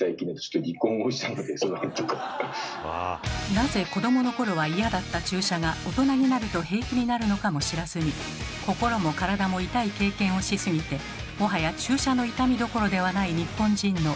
なぜ子どものころは嫌だった注射が大人になると平気になるのかも知らずに心も体も痛い経験をしすぎてもはや注射の痛みどころではない日本人のなんと多いことか。